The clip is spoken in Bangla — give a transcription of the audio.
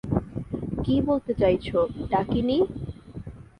কী বলতে চাইছ, ডাকিনী?